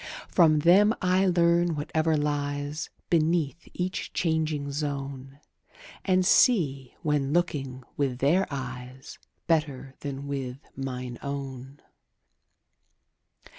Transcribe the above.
From them I learn whatever lies Beneath each changing zone, And see, when looking with their eyes, 35 Better than with mine own.